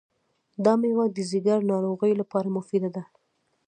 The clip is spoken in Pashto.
دا مېوه د ځیګر ناروغیو لپاره مفیده ده.